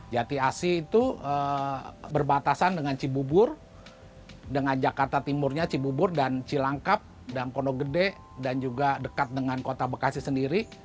jati asi itu berbatasan dengan cibubur dengan jakarta timurnya cibubur dan cilangkap dan kondogede dan juga dekat dengan kota bekasi sendiri